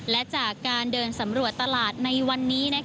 และจากการเดินสำรวจตลาดในวันนี้